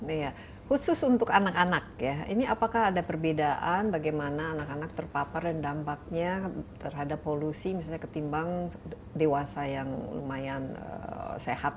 iya khusus untuk anak anak ya ini apakah ada perbedaan bagaimana anak anak terpapar dan dampaknya terhadap polusi misalnya ketimbang dewasa yang lumayan sehat